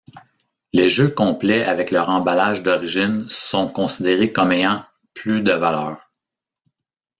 Les jeux complets avec leur emballages d'origine sont considérés comme ayant plus de valeur.